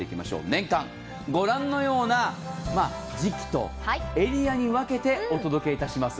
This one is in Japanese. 年間、御覧のような時期とエリアに分けてお届けします。